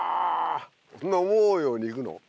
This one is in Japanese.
そんな思うように行くの？